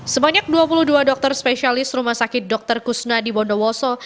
sebanyak dua puluh dua dokter spesialis rumah sakit dr kusnadi bondowoso